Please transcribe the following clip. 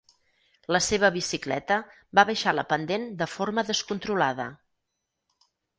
La seva bicicleta va baixar la pendent de forma descontrolada.